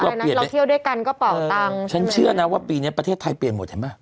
เราเที่ยวด้วยกันก็เป่าตังค์ฉันเชื่อนะว่าปีเนี้ยประเทศไทยเปลี่ยนหมดเห็นป่ะ